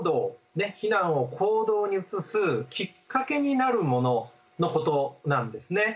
避難を行動にうつすキッカケになるもののことなんですね。